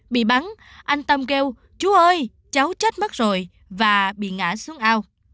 bị bắn anh tâm kêu chú ơi cháu chết mất rồi và bị ngã xuống ao